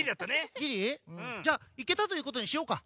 ギリ？じゃあいけたということにしようか？